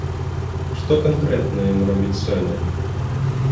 Што канкрэтна ён робіць сёння?